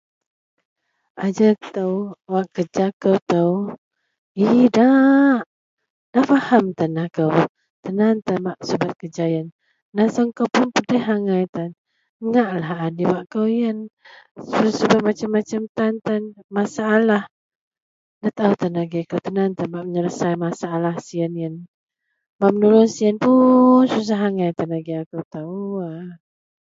Ajau ito idak wak kerja kou idak da faham tan aku.tan an tan bak subet kerja yian naseng kou pun pedih angai tan ngaklah den kou da takho tan angai aku nak menyelesai masalah sian bak menului sien pun sudah angai tan.